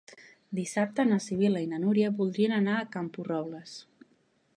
Dissabte na Sibil·la i na Núria voldrien anar a Camporrobles.